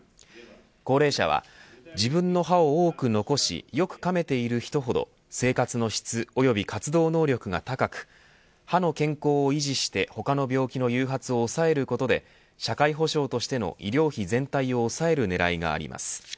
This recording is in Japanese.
高齢者は、自分の歯を多く残しよく噛めている人ほど生活の質及び活動能力が高く歯の健康を維持して他の病気の誘発を抑えることで社会保障としての医療費全体を抑える狙いがあります。